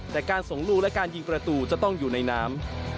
แต่การส่งลูกและการยิงประตูจะต้องอยู่ในน้ำ